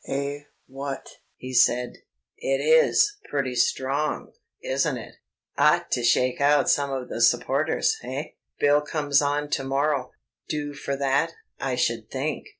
"Eh, what?" he said. "It is pretty strong, isn't it? Ought to shake out some of the supporters, eh? Bill comes on to morrow ... do for that, I should think."